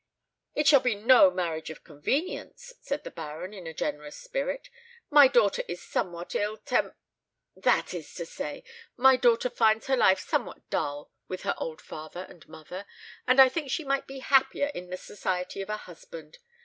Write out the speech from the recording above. "It shall be no marriage of convenience," said the Baron, in a generous spirit; "my daughter is somewhat ill tem that is to say, my daughter finds her life somewhat dull with her old father and mother, and I think she might be happier in the society of a husband.